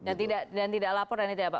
dan tidak laporan itu ya pak